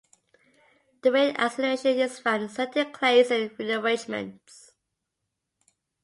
The rate acceleration is found in certain Claisen rearrangements.